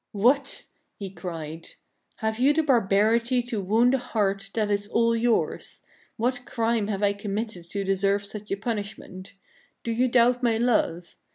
" What !" he cried :" have you the barbarity to wound a heart that is all yours ? What crime have I committed to de serve such a punishment ? Do you doubt my love